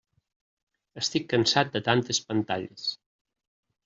Estic cansat de tantes pantalles.